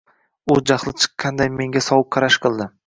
U jahli chiqqanday menga sovuq qarash qildi